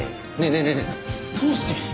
えどうして？